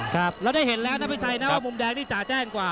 เราได้เห็นแล้วนะพี่ชัยนะว่ามุมแดงนี่จ่าแจ้งกว่า